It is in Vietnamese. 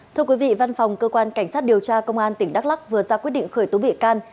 thưa quý vị văn phòng cơ quan cảnh sát điều tra công an tỉnh đắk lắc vừa ra quyết định khởi tố bị can